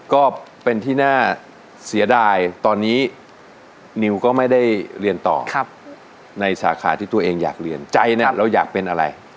ก็เป็นที่น่าเสียดายตอนนี้นิวก็ไม่ได้เรียนต่อในสาขาที่ตัวเองอยากเรียนใจเนี่ยเราอยากเป็นอะไร